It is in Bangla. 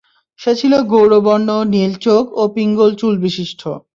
সে ছিল গৌরবর্ণ, নীল চোখ ও পিঙ্গল চুল বিশিষ্ট।